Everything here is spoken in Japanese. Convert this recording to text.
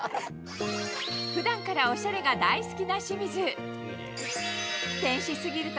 ふだんからおしゃれが大好きな清水。